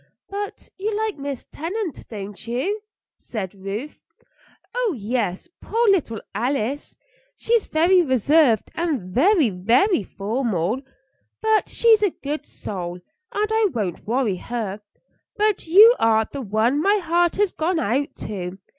"But you like Miss Tennant don't you?" said Ruth. "Oh, yes. Poor little Alice! She's very reserved and very, very formal, but she's a good soul, and I won't worry her. But you are the one my heart has gone out to.